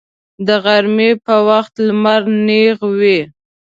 د غرمې په وخت لمر نیغ وي